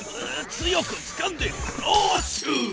強くつかんでクラッシュ！